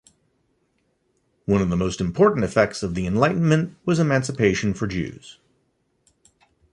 One of the most important effects of the Enlightenment was emancipation for Jews.